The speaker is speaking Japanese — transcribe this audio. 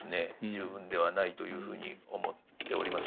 十分ではないというふうに思っております。